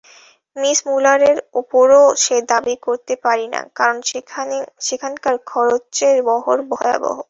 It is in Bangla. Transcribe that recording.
মিস মূলারের ওপরও সে-দাবী করতে পারি না, কারণ সেখানকার খরচের বহর ভয়াবহ।